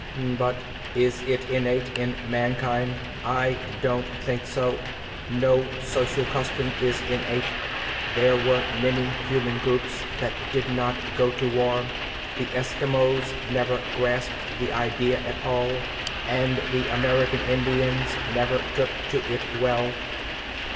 "But is it innate in mankind? I don't think so. No social custom is innate. There were many human groups that did not go to war; the Eskimos never grasped the idea at all, and the American Indians never took to it well.